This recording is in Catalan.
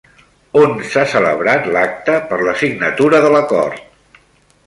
On s'ha celebrat l'acte per la signatura de l'acord?